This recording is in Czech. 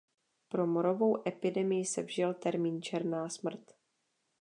Pro morovou epidemii se vžil termín Černá smrt.